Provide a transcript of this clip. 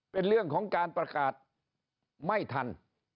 เป็นเรื่องของการประกาศไม่ทัน